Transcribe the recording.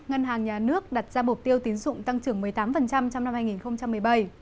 ngân hàng nhà nước đặt ra mục tiêu tín dụng tăng trưởng một mươi tám trong năm hai nghìn một mươi bảy